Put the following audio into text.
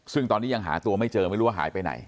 ซึ่งตอนนี้ยังหาตัวไม่เจอไม่รู้ว่าหายไปไหน